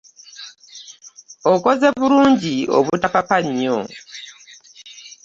Okoze bulungi obutapapa nnyo.